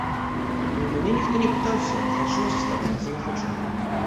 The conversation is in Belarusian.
І ў мяне ніхто не пытаўся, хачу я застацца ці не хачу.